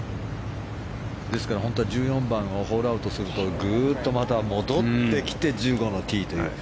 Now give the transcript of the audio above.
ですから１４番をホールアウトするとぐっとまた戻ってきて１５のティーという。